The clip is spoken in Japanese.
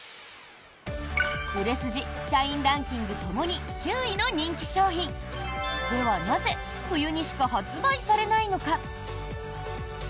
売れ筋・社員ランキングともに９位の人気商品！ではなぜ冬にしか発売されないのか？